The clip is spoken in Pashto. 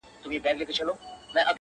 چي ټوله ورځ ستا د مخ لمر ته ناست وي.